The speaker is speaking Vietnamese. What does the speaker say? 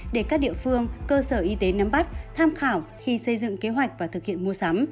để các địa phương cơ sở y tế nắm bắt tham khảo khi xây dựng kế hoạch và thực hiện mua sắm